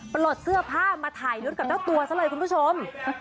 ปลดเสื้อผ้ามาถ่ายรูปกับเจ้าตัวซะเลยคุณผู้ชม